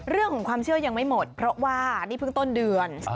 เรื่องของความเชื่อยังไม่หมดเพราะว่านี่เพิ่งต้นเดือน